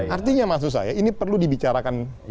artinya maksud saya ini perlu dibicarakan